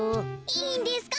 いいんですか？